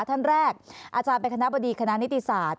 ท่านแรกอาจารย์เป็นคณะบดีคณะนิติศาสตร์